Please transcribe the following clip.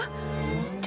って